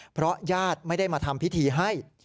เพราะญาติไม่ได้มาทำพิธีให้